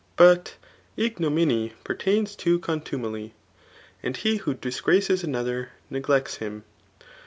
But ignominy pertains to con* Qitn^y; and he vho disgraces 'another neglects him.